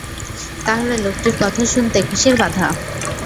তাহলে লোকটির কথা শুনতে কিসের বাধা?